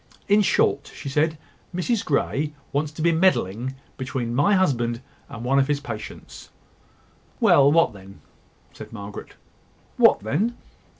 "In short," she said, "Mrs Grey wants to be meddling between my husband and one of his patients." "Well, what then?" said Margaret. "What then?